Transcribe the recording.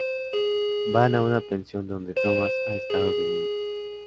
Van a una pensión donde Thomas ha estado de niño.